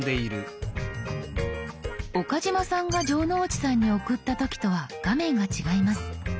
岡嶋さんが城之内さんに送った時とは画面が違います。